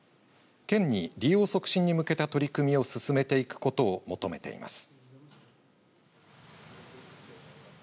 県に、利用促進に向けた取り組みを進めていくことを求めています。